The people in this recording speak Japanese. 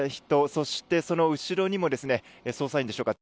そして、その後ろにも捜査員でしょうか。